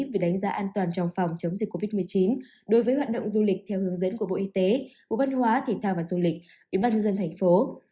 về đánh giá an toàn trong phòng chống dịch covid một mươi chín đối với hoạt động du lịch theo hướng dẫn của bộ y tế bộ văn hóa thể thao và du lịch ủy ban nhân dân thành phố